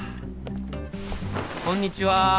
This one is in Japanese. こんにちは！